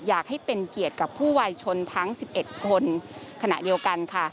อยากให้เป็นเกียรติกับผู้วายชนทั้ง๑๑คนขณะเดียวกันค่ะ